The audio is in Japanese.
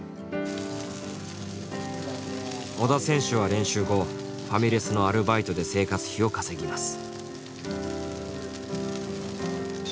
織田選手は練習後ファミレスのアルバイトで生活費を稼ぎます。